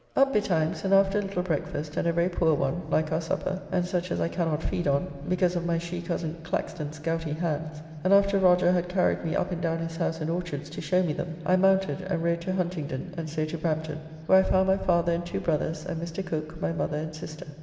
Up betimes, and after a little breakfast, and a very poor one, like our supper, and such as I cannot feed on, because of my she cozen Claxton's gouty hands; and after Roger had carried me up and down his house and orchards, to show me them, I mounted, and rode to Huntingdon, and so to Brampton; where I found my father and two brothers, and Mr. Cooke, my mother and sister.